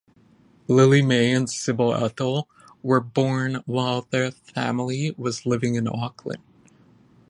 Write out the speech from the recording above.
Lily May and Cybele Ethel were born while the family was living in Auckland.